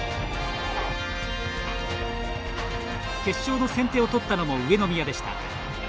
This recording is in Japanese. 決勝の先手を取ったのも上宮でした。